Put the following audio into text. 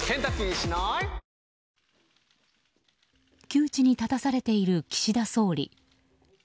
窮地に立たされている岸田総理。